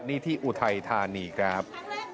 นี่ที่อุทัยธานีครับ